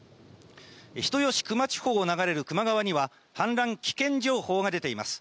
人吉、球磨地方を球磨川には、氾濫危険情報が出ています。